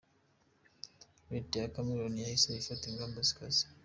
Leta ya Cameroun yahise ifata ingamba zikaze.